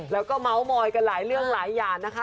แล้วก็เมาส์มอยกันหลายเรื่องหลายอย่างนะคะ